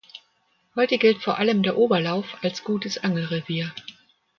Heute gilt vor allem der Oberlauf als gutes Angelrevier.